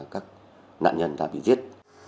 các nạn nhân đã bị giết